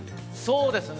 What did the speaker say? そうですね。